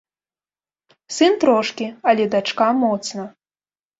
Сын трошкі, але дачка моцна.